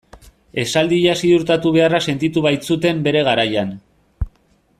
Esaldia ziurtatu beharra sentitu baitzuten bere garaian.